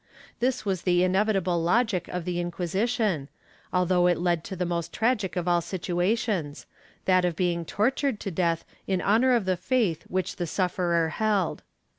This was the inevitable logic of the Inquisition, although it led to the most tragic of all situations — that of being tortured to death in honor of the faith which the sufferer held.